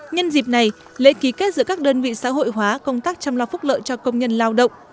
nhân dịp này lễ ký kết giữa các đơn vị xã hội hóa công tác chăm lo phúc lợi cho công nhân lao động